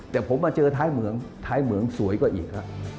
แต่ผมมาเจอท้ายเหมืองท้ายเหมืองสวยกว่าอีก